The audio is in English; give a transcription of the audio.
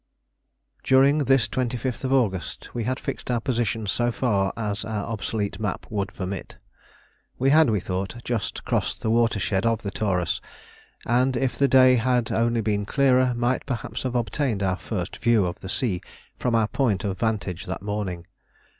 During this 25th August we had fixed our position so far as our obsolete map would permit. We had, we thought, just crossed the watershed of the Taurus, and if the day had only been clearer might perhaps have obtained our first view of the sea from our point of vantage that morning.